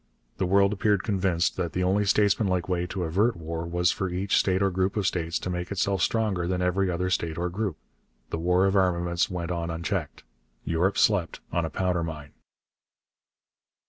The world appeared convinced that the only statesmanlike way to avert war was for each state or group of states to make itself stronger than every other state or group. The war of armaments went on unchecked. Europe slept on a powder mine.